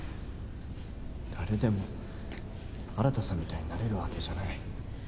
誰でも新さんみたいになれるわけじゃない。